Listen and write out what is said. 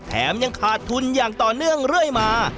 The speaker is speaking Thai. ยังขาดทุนอย่างต่อเนื่องเรื่อยมา